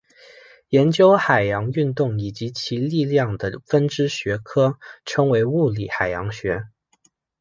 研究海洋运动以及其力量的分支学科称为物理海洋学。